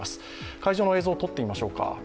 会場の映像とってみましょうか。